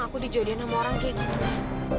aku dijadiin sama orang kayak gitu